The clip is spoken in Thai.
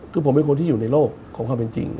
คือผมเป็นคนที่อยู่ในโลกของความเป็นจริง